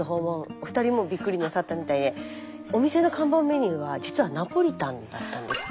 お二人もビックリなさったみたいでお店の看板メニューは実はナポリタンだったんです。